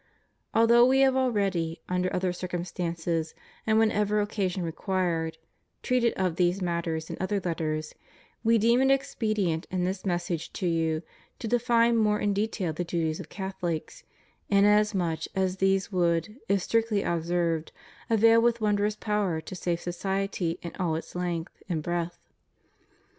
Although We have already, under other circumstances, and whenever occasion required, treated of these matters in other Letters, We deem it expedient in this message to you, to define more in detail the duties of Catholics, inasmuch as these would, if strictly observed, avail with wondrous power to save society in all its length and breadth.